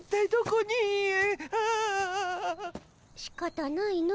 しかたないの。